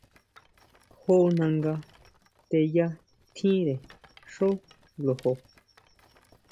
Jó nanga teyà tjínre xjó lojo.